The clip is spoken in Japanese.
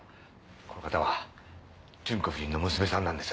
この方は純子夫人の娘さんなんです。